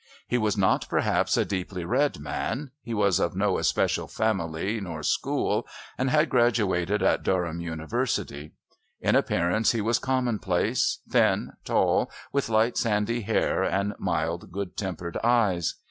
He was not perhaps a deeply read man, he was of no especial family nor school and had graduated at Durham University. In appearance he was common place, thin, tall, with light sandy hair and mild good tempered eyes.